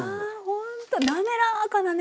ほんと滑らかなね。